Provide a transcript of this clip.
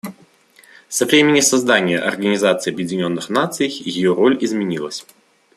Со времени создания Организации Объединенных Наций ее роль изменилась.